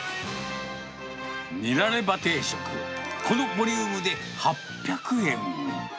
ニラレバー定食、このボリュームで８００円。